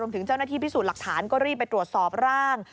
ถึงเจ้าหน้าที่พิสูจน์หลักฐานก็รีบไปตรวจสอบร่าง